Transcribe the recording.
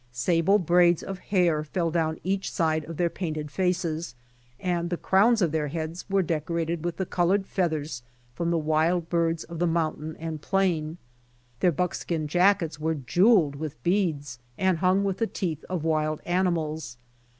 Sable braids of hair fell down each side of their painted faces, and the crowns of their heads were decorated with the colored feathers from the wild birds of the mountain and plain. Their buckskin jackets were jeweled Avith beads and hung with the teeth of wild animals.